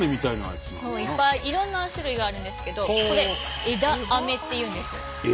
いっぱいいろんな種類があるんですけどこれ「枝アメ」っていうんですよ。